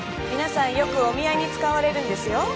皆さんよくお見合いに使われるんですよ。